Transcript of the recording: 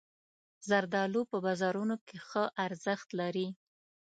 زردالو په بازارونو کې ښه ارزښت لري.